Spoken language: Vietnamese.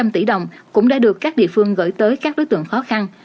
chín trăm linh tỷ đồng cũng đã được các địa phương gửi tới các đối tượng khó khăn